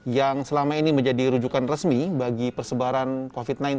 yang selama ini menjadi rujukan resmi bagi persebaran covid sembilan belas